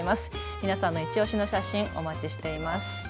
皆さんのいちオシの写真、お待ちしています。